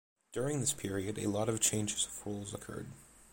During this period a lot of changes of rules occurred.